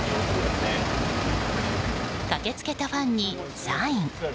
駆けつけたファンにサイン。